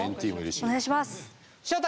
お願いします。